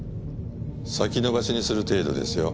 先延ばしにする程度ですよ